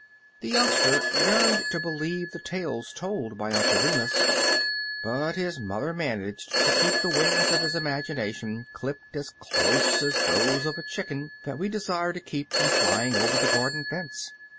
The youngster yearned to believe the tales told by Uncle Remus, but his mother managed to keep the wings of his imagina tion clipped as close as those of a chicken that we desire to keep from flying over the garden fence.